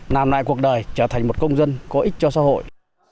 làm lại cuộc đời trở thành một công dân có ích cho xã hội